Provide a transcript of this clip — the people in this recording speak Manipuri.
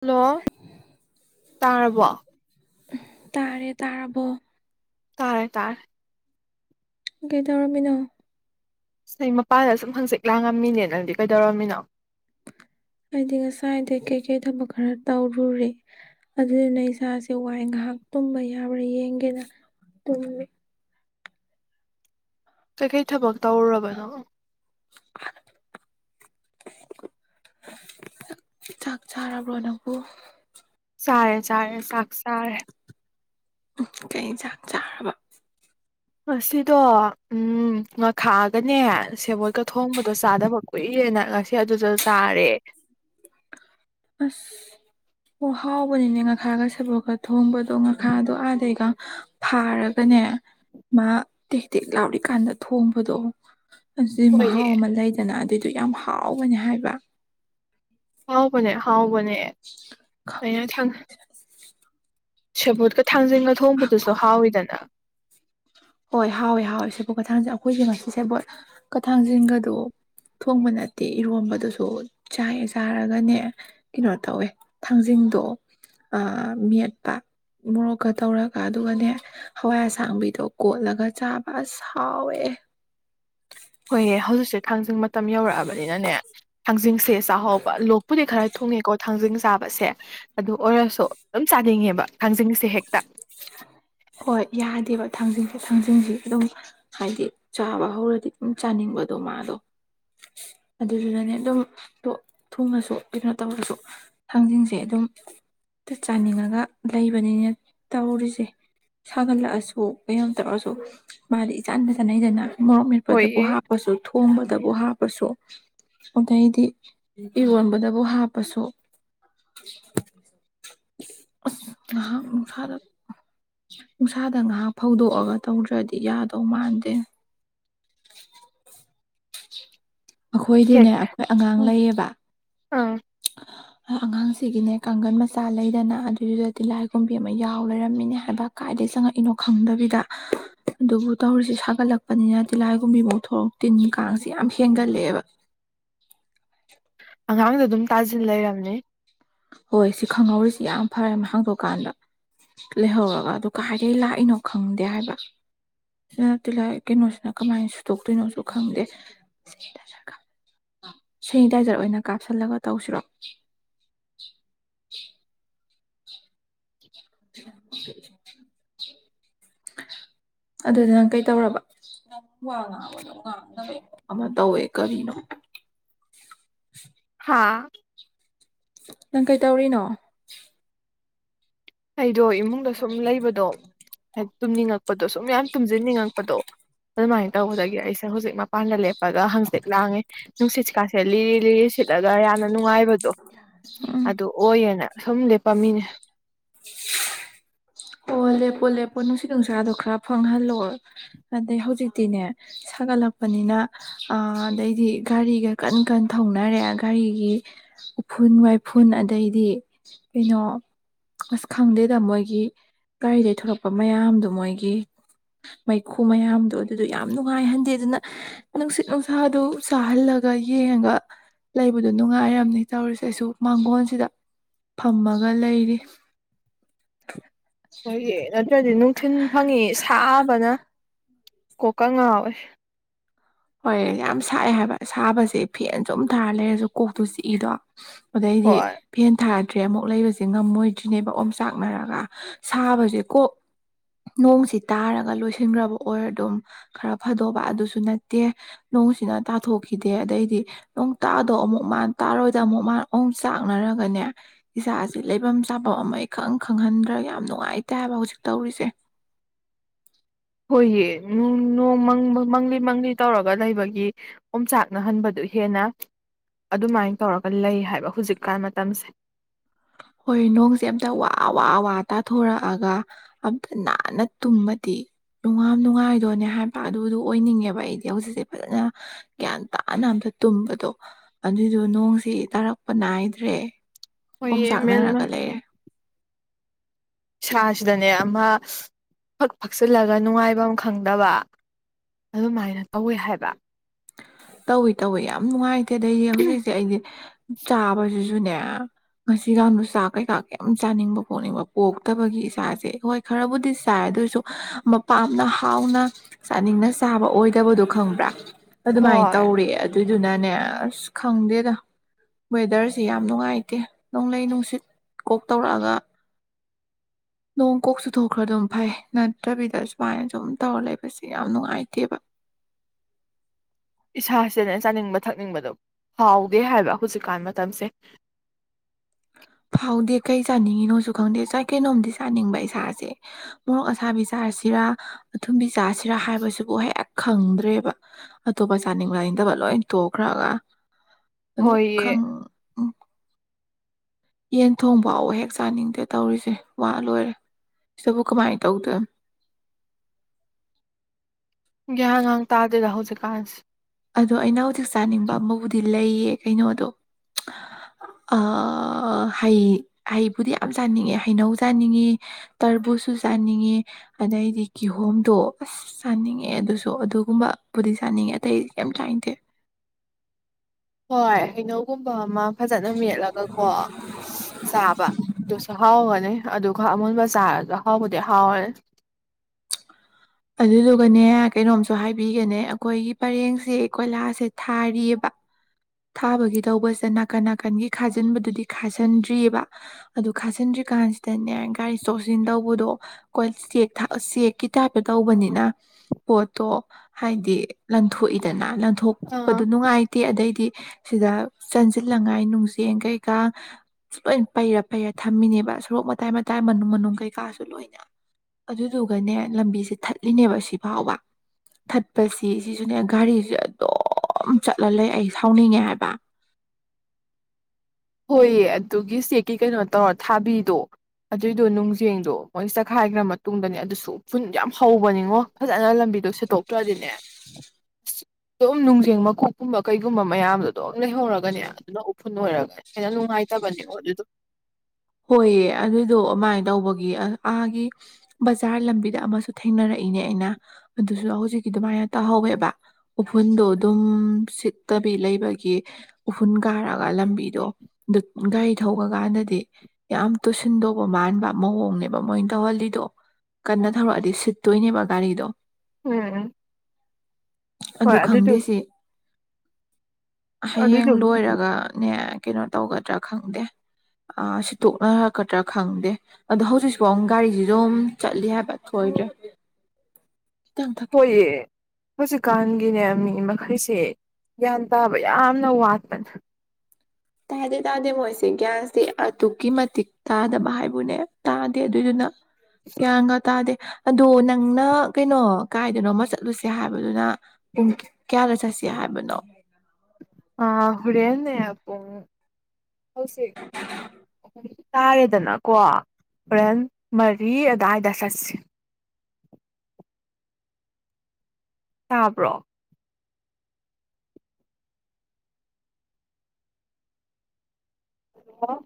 ꯍꯜꯂꯣ ꯇꯥꯔꯕꯣ ꯇꯥꯔꯦ ꯇꯥꯔꯕꯣ ꯇꯥꯔꯦ ꯇꯥꯔꯦ ꯀꯩꯗꯧꯔꯝꯃꯤꯅꯣ ꯁ ꯃꯄꯥꯟꯗ ꯁꯨꯝ ꯍꯪꯆꯤꯠ ꯂꯥꯡꯉꯝꯃꯤꯅꯦ ꯅꯪꯗꯤ ꯀꯩꯗꯧꯔꯝꯃꯤꯅꯣ ꯑꯩꯗꯤ ꯉꯁꯥꯏꯗꯤ ꯀꯩꯀꯩ ꯊꯕꯛ ꯈꯔ ꯇꯧꯔꯨꯔꯦ ꯑꯗꯨꯗꯨꯅ ꯏꯁꯥꯁꯦ ꯋꯥꯏ ꯉꯥꯏꯍꯥꯛ ꯇꯨꯝꯕ ꯌꯥꯕ꯭ꯔꯥ ꯌꯦꯡꯒꯦꯅ ꯇꯨꯝ ꯀꯩꯀꯔꯤ ꯊꯕꯛ ꯇꯧꯔꯔꯕꯅꯣ ꯆꯥꯛ ꯆꯥꯔꯕ꯭ꯔꯣꯅꯕꯨ ꯆꯥꯔꯦ ꯆꯥꯔꯦ ꯁꯥꯥꯛ ꯆꯦ ꯀꯩ ꯆꯥꯛ ꯆꯥꯔꯕ ꯑꯁꯤꯗꯣ ꯎꯝ ꯉꯥ ꯒꯅꯦ ꯁꯦꯕꯣꯠꯀ ꯊꯣꯡꯕꯗ ꯑ ꯆꯥꯗꯕ ꯀꯨꯏꯔꯦꯅ ꯉꯁꯤ ꯑꯗꯨꯁꯨ ꯆꯥꯔꯦ ꯑꯁ ꯑꯣ ꯍꯥꯎꯕꯅꯤꯅꯦ ꯉꯥꯈꯥꯒ ꯁꯦꯕꯒ ꯊꯣꯡꯕꯗꯣ ꯉꯥꯈꯥꯗꯣ ꯑꯥꯗꯩꯒ ꯐꯥꯔꯒꯅꯦ ꯃꯥ ꯇꯦꯛ ꯇꯦꯛ ꯂꯥꯎꯔꯤꯀꯥꯟꯗ ꯊꯣꯡꯕꯗꯣ ꯑꯗꯨꯗꯤ ꯍꯣꯏꯌꯦ ꯃꯍꯥꯎ ꯑꯃ ꯂꯩꯗꯅ ꯑꯗꯨ ꯑꯗꯨ ꯌꯥꯝ ꯍꯥꯎꯕꯅꯤ ꯍꯥꯏꯕ ꯍꯥꯎꯕꯅꯦ ꯍꯥꯎ ꯇꯧꯕꯅꯦ ꯑꯩꯅ ꯈꯪꯗꯦ ꯊꯪꯉ ꯁꯕꯣꯠꯀ ꯊꯥꯡꯖꯤꯡꯒ ꯊꯣꯡꯕꯗꯨꯁꯨ ꯍꯥꯎꯋꯤꯗꯅ ꯍꯣꯏ ꯍꯥꯎꯋꯦ ꯍꯥꯎꯋꯦ ꯁꯦꯕꯣꯠꯀꯊꯥꯡꯖ ꯑꯩꯈꯣꯏꯁꯦ ꯉꯁꯤ ꯁꯦꯕꯣꯠꯀꯊꯥꯡꯖꯤꯡꯒꯗꯣ ꯊꯣꯡꯕ ꯅꯠꯇꯦ ꯏꯔꯣꯝꯕꯗꯨꯁꯨ ꯆꯥꯏꯑꯦ ꯆꯥꯔꯒꯅꯦ ꯀꯩꯅꯣ ꯇꯧꯋꯦ ꯊꯥꯡꯖꯤꯡꯗꯣ ꯃꯦꯠꯄ ꯃꯣꯔꯣꯛꯀ ꯇꯧꯔꯒ ꯑꯗꯨꯒꯅꯦ ꯍꯋꯥꯏ ꯑꯁꯥꯡꯕꯤꯗꯣ ꯀꯣꯂꯒ ꯆꯕꯥꯁ ꯍꯥꯎꯦ ꯍꯣꯏꯑ ꯍꯧꯖꯤꯛꯁꯦ ꯊꯥꯡꯖꯤꯡ ꯃꯇꯝ ꯌꯧꯔꯛꯑꯕꯅꯤꯅꯅꯦ ꯍꯖꯤꯡ ꯁꯥꯣ ꯂꯣꯛꯕꯨꯨꯦꯔ ꯊꯨꯡꯉꯦꯀꯣ ꯊꯥꯡꯖꯤꯡ ꯆꯥꯕꯁꯦ ꯑꯗꯨ ꯑꯣꯏꯔꯁꯨ ꯑꯗꯨꯝ ꯆꯥꯅꯤꯡꯉꯦꯕ ꯊꯥꯡꯖꯤꯡꯁꯦ ꯍꯦꯛ ꯍꯣꯏ ꯌꯥꯗꯦꯕ ꯊꯥꯡꯖꯤꯡꯁꯦ ꯊꯥꯡꯖꯤꯡꯁꯤ ꯑꯗꯨꯝ ꯍꯥꯏꯗꯤ ꯆꯥꯕ ꯍꯧꯔꯗꯤ ꯑꯗꯨꯝ ꯆꯥꯅꯤꯡꯕꯗꯣ ꯃꯥꯗꯣ ꯑꯗꯨꯗꯨꯅꯅꯦ ꯑꯗꯨꯝ ꯊꯨꯡꯉꯁꯨ ꯀꯩꯅꯣ ꯇꯧꯔꯁꯨ ꯊꯥꯡꯖꯤꯡꯁꯦ ꯑꯗꯨꯝꯛꯇ ꯆꯥꯅꯤꯡꯉꯒ ꯂꯩꯕꯅꯤꯅ ꯇꯧꯔꯤꯁꯦ ꯁꯥꯒꯠꯂꯛꯑꯁꯨ ꯀꯩꯅꯣꯝ ꯇꯧꯔꯁꯨ ꯃꯥꯗꯤ ꯏꯆꯥꯟꯅ ꯆꯥꯅꯩꯗꯅ ꯃꯣꯔꯣꯛ ꯃꯦꯠꯄꯗꯕꯨ ꯍꯣꯏꯌꯦ ꯍꯥꯞꯄꯁꯨ ꯊꯣꯡꯕ ꯗꯕꯨ ꯍꯥꯞꯄꯁꯨ ꯑꯗꯩꯗꯤ ꯏꯔꯣꯟꯕꯗꯕꯨ ꯍꯥꯞꯄꯁꯨ ꯑꯁ ꯉꯍꯥꯛ ꯥꯗ ꯅꯨꯡꯁꯥꯗ ꯉꯥꯏꯍꯥꯛ ꯐꯧꯗꯣꯛꯑꯒ ꯇꯧꯗ꯭ꯔꯗꯤ ꯌꯥꯗꯧ ꯃꯥꯟꯗꯦ ꯑꯩꯈꯣꯏꯗꯤꯅꯦ ꯍꯦꯛ ꯑꯩꯈꯣꯏ ꯑꯉꯥꯡ ꯎꯝ ꯂꯩꯌꯦꯕ ꯑꯪ ꯑꯉꯥꯡꯁꯤꯒꯤꯅꯦ ꯀꯥꯡꯒꯟ ꯃꯆꯥ ꯂꯩꯗꯅ ꯑꯗꯨꯏꯗꯨꯗ ꯇꯤꯜꯍꯥꯏ ꯀꯨꯝꯕꯤ ꯑꯃ ꯌꯥꯎ ꯂꯩꯔꯝꯃꯤꯅꯦ ꯍꯥꯏꯕ ꯀꯥꯏꯗꯩ ꯆꯪꯉꯛꯏꯅꯣ ꯈꯪꯗꯕꯤꯗ ꯑꯗꯨꯕꯨ ꯇꯧꯔꯤꯁꯤ ꯁꯥꯒꯠꯂꯛꯄꯅꯤꯅ ꯇꯤꯜꯍꯥꯏꯒꯨꯝꯕꯤꯐꯧ ꯊꯣꯛꯣꯔꯛ ꯇꯤꯟ ꯀꯥꯡꯁꯤ ꯌꯥꯝ ꯍꯦꯡ ꯆꯂꯕ ꯑꯉꯥꯡꯗꯣ ꯑꯗꯨꯝ ꯇꯥꯁꯤꯟ ꯂꯩꯔꯝꯅꯤ ꯍꯣꯏ ꯁꯤ ꯈꯪꯍꯧꯔꯤꯁꯤ ꯌꯥꯝ ꯐꯔꯦ ꯍꯥꯡꯗꯣꯛꯀꯥꯟꯗ ꯂꯩꯍꯧꯔꯒ ꯑꯗꯨ ꯀꯥꯏꯗꯒꯤꯩ ꯂꯥꯛꯏꯅꯣ ꯈꯪꯗꯦ ꯍꯥꯏꯕ ꯇꯤ ꯀꯩꯅꯣꯁꯤꯅ ꯀꯃꯥꯏꯅ ꯁꯨꯠꯇꯣꯛꯇꯣꯏꯅꯣꯁꯨ ꯈꯪꯗꯦ ꯁꯦꯅꯤꯇꯥꯏꯖꯔ ꯑꯣꯏꯅ ꯀꯥꯞꯁꯤꯜꯂꯒ ꯇꯧꯁꯤꯔꯣ [unintelligible] ꯑꯗꯨꯗ ꯅꯪ ꯀꯩ ꯇꯧꯔꯕ ꯑꯃ ꯇꯧꯋꯦ ꯀꯔꯤꯅꯣ ꯑꯥ ꯅꯪ ꯀꯩ ꯇꯧꯔꯤꯅꯣ ꯑꯩꯗꯣ ꯏꯃꯨꯡꯗ ꯁꯨꯝ ꯂꯩꯕꯗꯣ ꯇꯨꯝꯅꯤꯡꯉꯛꯄꯗꯣ ꯁꯨꯝ ꯃꯌꯥꯝ ꯇꯨꯝꯁꯤꯟꯅꯤꯡꯉꯛꯄꯗꯣ ꯑꯗꯨꯃꯥꯏꯅ ꯇꯧꯕꯗꯒꯤ ꯑꯩꯁꯦ ꯍꯧꯖꯤꯛ ꯃꯄꯥꯟꯗ ꯂꯦꯞꯄ ꯒ ꯍꯪꯆꯤꯠ ꯂꯥꯡꯉꯦ ꯅꯨꯡꯁꯤꯠꯀꯥꯥꯁꯦꯠ ꯂꯤꯔꯦ ꯂꯤꯔꯦ ꯁꯤꯠꯂꯒ ꯌꯥꯝꯅ ꯅꯨꯡꯉꯥꯏꯕꯗꯣ ꯎꯝ ꯑꯗꯨꯗ ꯑꯣꯌꯦꯅ ꯁꯨꯝ ꯂꯦꯞꯄ ꯃꯤꯅꯦ ꯑꯣ ꯂꯦꯞꯄꯣ ꯂꯦꯞꯄꯣ ꯅꯨꯡꯁꯤꯠ ꯅꯨꯡꯁꯥꯗꯣ ꯈꯔ ꯐꯪꯍꯜꯂꯣ ꯑꯗꯩ ꯍꯧꯖꯤꯛꯇꯤꯅꯦ ꯁꯥꯒꯠꯂꯛꯄꯅꯤꯅ ꯑꯗꯩꯗꯤ ꯒꯥꯔꯤꯒ ꯀꯟ ꯀꯟ ꯊꯧꯅꯔꯦ ꯒꯥꯔꯤꯒꯤ ꯎꯐꯨꯟ ꯋꯥꯏꯐꯨꯟ ꯑꯗꯩꯗꯤ ꯀꯩꯅꯣ ꯑꯁ ꯈꯪꯗꯦꯗ ꯃꯣꯏꯒꯤ ꯒꯥꯔꯤꯗꯒꯤꯩ ꯊꯂꯛꯄ ꯃꯌꯥꯝꯗꯣ ꯃꯣꯏꯒꯤ ꯃꯩꯈꯨ ꯃꯌꯥꯝꯗꯣ ꯑꯗꯨꯗꯣ ꯌꯥꯝ ꯅꯨꯡꯉꯥꯏꯍꯟꯗꯦ ꯑꯗꯨꯅ ꯅꯨꯡꯁꯤꯠ ꯅꯨꯡꯁꯥꯗꯨ ꯆꯥꯍꯜꯂꯒ ꯌꯦꯡꯉꯒ ꯂꯩꯕꯗꯣ ꯅꯨꯡꯉꯥꯏꯔꯝꯅꯤ ꯇꯧꯔꯤꯁꯦ ꯑꯩꯁꯨ ꯃꯥꯡꯒꯣꯟꯁꯤꯗ ꯐꯝꯃꯒ ꯂꯩꯔꯤ ꯍꯣꯏꯦ ꯅ꯭ꯔꯗꯤ ꯅꯨꯡꯊꯤꯟ ꯐꯪꯉꯤ ꯁꯛꯑꯕꯅ ꯀꯣꯀꯥ ꯉꯑ ꯍꯣꯏ ꯌꯥꯝ ꯁꯛꯑꯦ ꯍꯥꯏꯕ ꯁꯥꯕꯁꯦ ꯐꯦꯟꯁꯨ ꯑꯗꯨꯝ ꯊꯥꯔ ꯂꯩꯔꯁꯨ ꯀꯣꯛꯇꯨ ꯆꯤꯛꯏꯗꯣ ꯑꯗꯩꯗꯤ ꯍꯣꯏ ꯐꯦꯟ ꯊꯥꯔ ꯠꯇ꯭ꯔꯦ ꯑꯃꯨꯛ ꯂꯩꯕꯁꯦ ꯉꯝꯃꯣꯏꯗ꯭ꯔꯤꯅꯦꯕ ꯑꯣꯝ ꯆꯥꯛꯅꯔꯒ ꯁꯥꯕꯁꯦ ꯀꯣ ꯅꯣꯡꯁꯤ ꯇꯥꯔꯒ ꯂꯣꯏꯁꯤꯟꯈ꯭ꯔꯕ ꯑꯣꯏꯔ ꯑꯗꯨꯝ ꯈꯔ ꯐꯗꯣꯛꯕ ꯑꯗꯨꯁꯨ ꯇꯦ ꯅꯣꯡꯁꯤꯅ ꯇꯥꯊꯣꯛꯈꯤꯗꯦ ꯑꯗꯩꯗꯤ ꯅꯣꯡ ꯇꯥꯗꯣ ꯑꯃꯨꯛ ꯃꯥꯥꯟ ꯇꯥꯔꯣꯏꯗ ꯑꯃꯨꯛ ꯃꯥ ꯑꯃꯨꯛ ꯆꯥꯛꯅꯔꯒꯅꯦ ꯏꯁꯥꯁꯤ ꯂꯩꯐꯝ ꯆꯥꯐꯝ ꯑꯃ ꯏꯈꯪ ꯈꯪꯍꯟꯗ꯭ꯔꯒ ꯌꯥꯝ ꯅꯨꯡꯉꯥꯏꯇꯥꯏꯕ ꯍꯧꯖꯤꯛ ꯇꯧꯔꯤꯁꯦ ꯑꯩꯣꯏ ꯅꯣꯡ ꯃꯪꯂꯤ ꯃꯪꯂꯤ ꯇꯧꯔꯒ ꯂꯩꯕꯒꯤ ꯄꯣꯝꯆꯥꯛꯅꯍꯟꯕꯗꯨ ꯍꯦꯟꯅ ꯑꯗꯨꯃꯥꯏꯅ ꯇꯧꯔꯒ ꯂꯩ ꯍꯥꯏꯕ ꯍꯧꯖꯤꯛꯀꯥꯟ ꯃꯇꯝꯁꯦ ꯍꯣꯏ ꯅꯣꯡꯁꯦ ꯑꯝꯇ ꯋꯥ ꯋꯥ ꯇꯥꯊꯣꯔꯛꯑꯒ ꯑꯝꯇ ꯅꯥꯟꯅ ꯇꯨꯝꯃꯗꯤ ꯅꯨꯡꯉꯥꯝ ꯅꯨꯡꯉꯥꯏꯗꯣꯅꯦ ꯍꯥꯏꯕ ꯑꯗꯨꯗꯣ ꯑꯣꯏꯅꯤꯡꯉꯦꯕ ꯑꯩꯗꯤ ꯍꯧꯖꯤꯛꯁꯦ ꯐꯖꯅ ꯒ꯭ꯌꯥꯟ ꯇꯥꯅ ꯑꯝꯇ ꯇꯨꯝꯕꯗꯣ ꯑꯗꯨꯏꯗꯣ ꯅꯣꯡꯁꯤ ꯇꯥꯔꯛꯄ ꯅꯥꯏꯗ꯭ꯔꯦ ꯑꯣꯝ ꯍꯣꯏꯌꯦ ꯃꯦꯟꯃ ꯁꯥꯛꯅꯔꯒ ꯂꯩꯔꯦ ꯏꯁꯥꯁꯤꯗꯅꯦ ꯑꯃ ꯐꯛ ꯐꯛꯆꯤꯜꯂꯒ ꯅꯨꯡꯉꯥꯏꯕꯝ ꯈꯪꯗꯕ ꯑꯗꯨꯃꯥꯏꯅ ꯇꯧꯋꯦ ꯍꯥꯏꯕ ꯇꯧꯏ ꯇꯧꯏ ꯌꯥꯝ ꯅꯨꯡꯉꯥꯏꯇꯦꯗ ꯑꯩꯗꯤ ꯍꯧꯖꯤꯛꯁꯦ ꯑꯩꯗꯤ ꯆꯥꯕꯁꯤꯁꯨꯅꯦ ꯉꯁꯤ ꯒꯥꯅꯨ ꯆꯥ ꯀꯩꯀꯥ ꯀꯩꯝ ꯆꯥꯅꯤꯡꯕ ꯄꯣꯛꯅꯤꯡꯕ ꯄꯣꯛꯇꯕꯒꯤ ꯏꯁꯥꯁꯦ ꯍꯣꯏ ꯈꯔꯕꯨꯗꯤ ꯆꯥꯏ ꯑꯗꯨꯏꯁꯨ ꯃꯄꯥꯝꯅ ꯍꯥꯎꯅ ꯆꯥꯅꯤꯡꯅ ꯆꯥꯕ ꯑꯣꯏꯗꯕꯗꯣ ꯈꯪꯕ꯭ꯔꯥ ꯑꯗꯨꯃꯥꯏꯅ ꯍꯣꯏ ꯇꯧꯔꯦ ꯑꯗꯨꯏꯗꯨꯅꯅꯦ ꯑꯁ ꯈꯪꯗꯦꯗ ꯋꯦꯗꯔꯁꯦ ꯌꯥꯝ ꯅꯨꯡꯉꯥꯏꯇꯦ ꯅꯣꯡꯂꯩ ꯅꯨꯡꯁꯤꯠ ꯀꯣꯛ ꯇꯧꯔꯛꯑꯒ ꯅꯣꯡ ꯀꯣꯛ ꯆꯨꯊꯣꯛꯈ꯭ꯔ ꯗꯨꯝ ꯐꯩ ꯅꯠꯇ꯭ꯔꯕꯤꯗ ꯁꯨꯃꯥꯏꯅ ꯁꯨꯝ ꯇꯧꯔ ꯂꯩꯕꯁꯦ ꯌꯥꯝ ꯅꯨꯡꯉꯥꯏꯇꯦꯕ ꯏꯁꯥꯁꯤꯅ ꯆꯥꯅꯤꯡꯕ ꯊꯛꯅꯤꯡꯕꯗꯣ ꯐꯥꯎꯗꯦ ꯍꯥꯏꯕ ꯍꯧꯖꯤꯛꯀꯥꯟ ꯃꯇꯝꯁꯦ ꯐꯥꯎꯗꯦ ꯀꯩ ꯆꯥꯅꯤꯡꯉꯤꯅꯣꯁꯨ ꯈꯪꯗꯦ ꯁꯥꯏ ꯀꯩꯅꯣꯝꯗꯤ ꯆꯥꯅꯤꯡꯕ ꯏꯁꯥꯁꯦ ꯃꯣꯔꯣꯛ ꯑꯁꯥꯕꯤ ꯆꯥꯁꯤꯔꯥ ꯑꯊꯨꯝꯕꯤ ꯆꯥꯁꯤꯔꯥ ꯍꯥꯏꯕꯁꯤꯕꯨ ꯍꯦꯛ ꯈꯪꯗ꯭ꯔꯦꯕ ꯑꯇꯣꯞꯄ ꯆꯥꯅꯤꯡꯕ ꯆꯥꯅꯤꯡꯗꯕ ꯂꯣꯏ ꯇꯣꯛꯈ꯭ꯔꯒ ꯑꯗꫭ ꯍꯣꯏꯌꯦ ꯈꯪ ꯌꯦꯟ ꯊꯣꯡ ꯐꯥꯎꯕ ꯍꯦꯛ ꯆꯥꯅꯤꯡꯗꯦ ꯇꯧꯔꯤꯁꯦ ꯋꯥ ꯂꯣꯏꯔꯦ ꯁꯤꯗꯕꯨ ꯀꯃꯥꯏꯅ ꯇꯧꯗꯣꯏ ꯒꯤꯍꯥꯡ ꯍꯥꯡ ꯇꯥꯗꯦꯗ ꯍꯧꯖꯤꯛ ꯀꯥꯥꯟꯁꯦ ꯑꯗꯣ ꯑꯩꯅ ꯍꯧꯖꯤꯛ ꯆꯥꯅꯤꯡꯕ ꯑꯃꯕꯨꯗꯤ ꯂꯩꯌꯦ ꯀꯩꯅꯣꯗꯣ ꯑ ꯍꯩ ꯍꯩꯕꯨꯗꯤ ꯌꯥꯝ ꯆꯥꯅꯤꯡꯉꯦ ꯍꯩꯅꯧ ꯆꯥꯅꯤꯡꯉꯤ ꯇꯔꯕꯨꯁꯁꯨ ꯆꯥꯅꯤꯡꯉꯤ ꯑꯗꯩꯗꯤ ꯀꯤꯍꯣꯝꯗꯣ ꯑꯁ ꯆꯥꯅꯤꯡꯉꯦ ꯑꯗꯨꯁꯨ ꯑꯗꯨꯒꯨꯝꯕꯕꯨꯗꯤ ꯆꯥꯅꯤꯡꯉꯦ ꯑꯇꯩ ꯌꯥꯝ ꯆꯥꯏꯟꯗꯦ ꯍꯣꯏ ꯍꯩꯅꯧꯒꯨꯝꯕ ꯑꯃ ꯐꯖꯅ ꯃꯦꯠꯂꯒꯀꯣ ꯆꯥꯕ ꯑꯗꯨꯁꯨ ꯍꯥꯎꯒꯅꯤ ꯑꯗꯨꯒ ꯑꯃꯨꯟꯕ ꯆꯥꯔꯁꯨ ꯑꯍꯥꯎꯕꯨꯗꯤ ꯍꯥꯎꯋꯦ ꯑꯗꯨꯗꯨꯒꯅꯦ ꯀꯩꯅꯣꯝꯁꯨ ꯍꯥꯏꯕꯤꯒꯦꯅꯦ ꯑꯩꯈꯣꯏꯒꯤ ꯄꯔꯦꯡꯁꯦ ꯀꯣꯏꯂꯥꯁꯦ ꯊꯥꯔꯤꯑꯕ ꯊꯥꯕꯒꯤ ꯇꯧꯕꯁꯤꯗ ꯅꯥꯀꯟ ꯅꯥꯀꯟꯒꯤ ꯈꯥꯖꯤꯟꯕꯗꯨꯗꯤ ꯈꯥꯖꯤꯟꯗ꯭ꯔꯤꯑꯕ ꯑꯗꯨ ꯈꯥꯖꯤꯟꯗ꯭ꯔꯤꯀꯥꯟꯁꯤꯗꯅꯦ ꯒꯥꯔꯤ ꯆꯊꫭꯛ ꯆꯁꯤꯟ ꯇꯧꯕꯗꯣ ꯆꯦꯛ ꯊ ꯆꯦꯛꯀꯤ ꯇꯥꯏꯞ ꯇꯧꯕꯅꯤꯅ ꯄꯣꯠꯇꯣ ꯍꯥꯏꯗꯤ ꯂꯟꯊꯣꯛꯏꯗꯅ ꯊꯣꯛꯄꯗꯨ ꯑꯥ ꯅꯨꯡꯉꯥꯏꯇꯦ ꯑꯗꯩꯗꯤ ꯁꯤꯗ ꯆꯟꯁꯤꯜꯂ ꯉꯥꯏ ꯅꯨꯡꯖꯦꯡ ꯀꯩꯀꯥ ꯂꯣꯏ ꯄꯩꯔ ꯐꯩꯔ ꯊꯝꯃꯤꯅꯦꯕ ꯁꯣꯔꯣꯛ ꯃꯇꯥꯏ ꯃꯇꯥꯏ ꯃꯅꯨꯡ ꯃꯅꯨꯡ ꯀꯩꯀꯥꯁꯨ ꯂꯣꯏꯅ ꯑꯗꯨꯗꯨꯒꯅꯦ ꯂꯝꯕꯤꯁꯦ ꯊꯠꯂꯤꯅꯦꯕ ꯁꯤꯐꯥꯎꯕ ꯊꯠꯄꯁꯤ ꯁꯤꯁꯨꯅꯦ ꯒꯥꯔꯤꯁꯦ ꯑꯗꯨꯝ ꯆꯠꯂ ꯂꯩ ꯑꯩ ꯁꯥꯎꯅꯤꯡꯉꯦ ꯍꯥꯏꯕ ꯍꯣꯏꯌꯦ ꯑꯗꯨꯒꯤ ꯆꯦꯛꯀꯤ ꯀꯩꯅꯣ ꯇꯧꯔ ꯊꯥꯕꯤꯗꯣ ꯑꯗꯨꯏꯗꯣ ꯅꯨꯡꯖꯦꯡꯗꯣ ꯃꯣꯏ ꯆꯈꯥꯏꯈ꯭ꯔ ꯃꯇꯨꯡꯗꯅꯦ ꯑꯗꯨꯁꯨ ꯎ ꯐꯨꯟ ꯌꯥꯝ ꯍꯧꯕꯅꯤꯉꯣ ꯐꯖꯅ ꯂꯝꯕꯤꯗꯣ ꯁꯦꯠꯇꯣꯛꯇ꯭ꯔꯗꯤꯅꯦ ꯁ ꯑꯗꯨꯝ ꯅꯨꯡꯖꯦꯡ ꯃꯀꯨꯞ ꯀꯨꯝꯕ ꯀꯩꯒꯨꯝꯕ ꯃꯌꯥꯝꯗꯨꯗꯣ ꯂꯩꯍꯧꯔꯒꯅꯦ ꯑꯗꯨꯅ ꯐꯨꯟ ꯑꯣꯏꯔꯒ ꯍꯦꯟꯅ ꯅꯨꯡꯉꯥꯏꯇꯕꯅꯤꯉꯣ ꯑꯗꯨꯗꯣ ꯍꯣꯏꯌꯦ ꯑꯗꯨꯗꯣ ꯑꯃꯥꯏꯅ ꯇꯧꯕꯒꯤ ꯑ ꯑꯥꯒꯤ ꯕꯖꯥꯔ ꯂꯝꯕꯤꯗ ꯑꯃꯁꯨ ꯊꯦꯡꯅꯔꯛꯏꯅꯦ ꯑꯩꯅ ꯑꯗꯨꯁꯨ ꯍꯧꯖꯤꯛꯀꯤ ꯑꯗꯨꯃꯥꯏꯅ ꯇꯧꯍꯧꯋꯦꯕ ꯎꯐꯨꯟꯗꯣ ꯑꯗꯨꯝ ꯁꯤꯠꯇꯕꯤ ꯂꯩꯕꯒꯤ ꯎꯐꯨꯟ ꯀꯥꯔꯒ ꯂꯝꯕꯤꯗꯣ ꯑꯗꯨ ꯒꯥꯔꯤ ꯊꯧꯕ ꯀꯥꯟꯗꯗꯤ ꯌꯥꯝ ꯇꯨꯁꯤꯟꯗꯧꯕ ꯃꯥꯟꯕ ꯃꯑꯣꯡꯅꯦꯕ ꯃꯣꯏꯅ ꯇꯧꯍꯜꯂꯤꯗꯣ ꯀꯟꯅ ꯊꯧꯔꯛꯑꯗꯤ ꯁꯤꯠꯇꯣꯏꯅꯦꯕ ꯒꯥꯔꯤꯗꯣ ꯎꯝ ꯎꯝ ꯑꯗꯨ ꯍꯣꯏ ꯑꯗꯨꯏꯗꯨ ꯈꯪꯗꯦꯁꯤ ꯍꯌꯦꯡ ꯑꯗꯨꯏꯗꯨ ꯂꯣꯏꯔꯒꯅꯦ ꯀꯩꯅꯣ ꯇꯧꯒꯗ꯭ꯔꯥ ꯈꯪꯗꯦ ꯑ ꯊꯣꯛꯅꯔꯛꯀꯗ꯭ꯔꯥ ꯈꯪꯗꯦ ꯑꯗꯣ ꯍꯧꯖꯤꯛ [unintelligible] ꯒꯥꯔꯤꯁꯤ ꯑꯗꯨꯝ ꯆꯠꯂꯤ ꯍꯥꯏꯕ ꯊꯣꯏꯗ꯭ꯔꯦ ꯈꯤꯇꯪ ꯊꯛꯀꯦ ꯍꯣꯏꯌꯦ ꯍꯧꯖꯤꯛꯀꯥꯟꯒꯤꯅꯦ ꯃꯤ ꯃꯈꯩꯁꯦ ꯒ꯭ꯌꯥꯟ ꯇꯥꯕ ꯌꯥꯝꯅ ꯋꯥꯠꯄꯅꯦ ꯇꯥꯗꯦ ꯇꯥꯗꯦ ꯃꯣꯏꯁꯦ ꯒ꯭ꯌꯥꯟꯁꯦ ꯑꯗꯨꯛꯀꯤ ꯃꯇꯤꯛ ꯇꯥꯗꯕ ꯍꯥꯏꯕꯨꯅꯦ ꯇꯥꯗꯦ ꯑꯗꯨꯏꯗꯨꯅ ꯒ꯭ꯌꯥꯟꯒ ꯇꯥꯗꯦ ꯑꯗꯣ ꯅꯪꯅ ꯀꯩꯅꯣ ꯀꯥꯏꯗꯅꯣꯃ ꯆꯠꯂꯨꯁꯦ ꯍꯥꯏꯕꯗꯨꯅ ꯄꯨꯡ ꯀꯌꯥꯇꯗ ꯆꯁꯤ ꯒꯦ ꯍꯥꯏꯕꯅꯣ ꯑ ꯍꯨꯔꯦꯟꯅꯦ ꯄꯨꯡ ꯍꯧꯁꯦ ꯇꯥꯔꯦꯗꯅꯀꯣ ꯍꯣꯔꯦꯟ ꯃꯔꯤ ꯑꯗꯨꯋꯥꯏꯗ ꯆꯠꯁ ꯆꯕ꯭ꯔꯣ ꯍꯂ